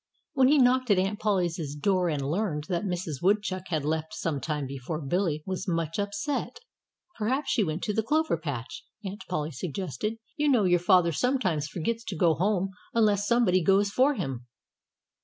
When he knocked at Aunt Polly's door and learned that Mrs. Woodchuck had left some time before Billy was much upset. "Perhaps she went to the clover patch," Aunt Polly suggested. "You know your father sometimes forgets to go home unless somebody goes for him."